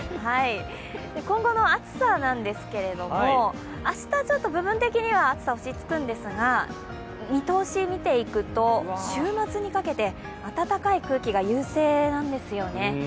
今後の暑さなんですけれども、明日部分的には暑さ落ち着くんですが見通し見ていくと、週末にかけて暖かい空気が優勢なんですよね。